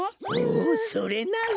おそれなら！